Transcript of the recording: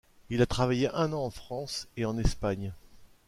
Il a travaillé un an en France et en Espagne.